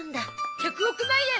１００億万円！